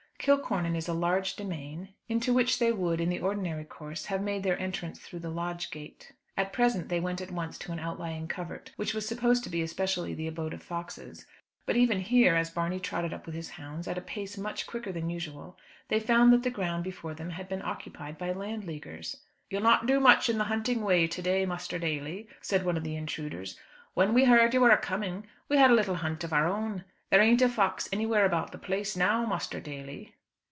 Kilcornan is a large demesne, into which they would, in the ordinary course, have made their entrance through the lodge gate. At present they went at once to an outlying covert, which was supposed to be especially the abode of foxes; but even here, as Barney trotted up with his hounds, at a pace much quicker than usual, they found that the ground before them had been occupied by Landleaguers. "You'll not do much in the hunting way to day, Muster Daly," said one of the intruders. "When we heard you were a coming we had a little hunt of our own. There ain't a fox anywhere about the place now, Muster Daly."